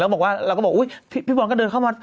บอกว่าเราก็บอกอุ๊ยพี่บอลก็เดินเข้ามา